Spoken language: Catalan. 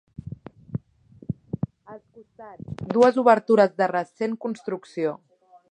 Als costats, dues obertures de recent construcció.